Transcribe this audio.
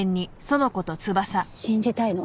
信じたいの。